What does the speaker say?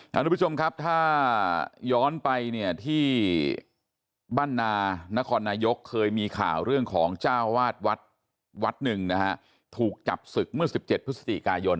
ทุกผู้ชมครับถ้าย้อนไปเนี่ยที่บ้านนานครนายกเคยมีข่าวเรื่องของเจ้าวาดวัดวัดหนึ่งนะฮะถูกจับศึกเมื่อ๑๗พฤศจิกายน